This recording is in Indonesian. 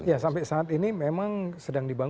ya sampai saat ini memang sedang dibangun